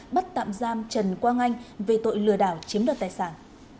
bắt tạm giam trần quang anh về tội lừa đảo chiếm đoạt tài sản